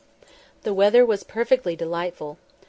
The weather was perfectly delightful.